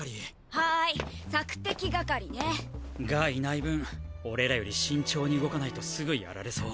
ハイ索敵係ね。がいない分俺らより慎重に動かないとすぐやられそう。